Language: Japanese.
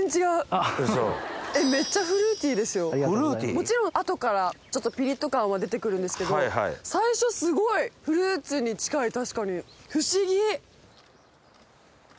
もちろん後からちょっとピリっと感は出て来るんですけど最初すごいフルーツに近い確かに。